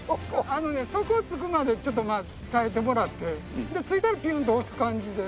あのね底つくまでちょっとまあ耐えてもらってついたらピュンと押す感じで。